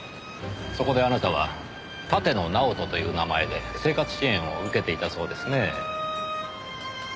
そこであなたは立野尚人という名前で生活支援を受けていたそうですねぇ。